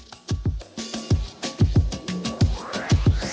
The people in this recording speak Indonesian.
setelah puas menikmati burger